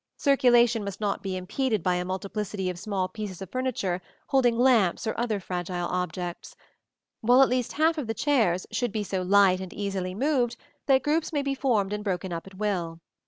Circulation must not be impeded by a multiplicity of small pieces of furniture holding lamps or other fragile objects, while at least half of the chairs should be so light and easily moved that groups may be formed and broken up at will.